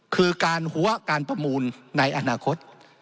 คือการหัวการประมูลในอนาคต